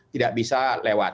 tidak bisa lewat